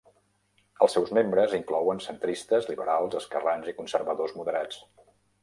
Els seus membres inclouen centristes, liberals, esquerrans i conservadors moderats.